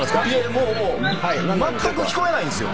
もうまったく聞こえないんすよ。